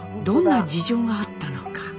どんな事情があったのか？